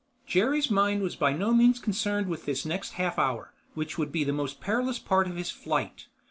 Jerry's mind was by no means concerned with this next half hour, which would be the most perilous part of his flight.